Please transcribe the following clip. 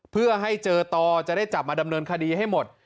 เพื่อให้เจอต่อจะได้จับมาดำเนินคดีให้หมด